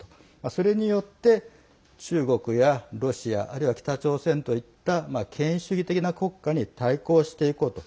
それによって、中国やロシアあるいは、北朝鮮といった権威主義的な国家に対抗していこうと。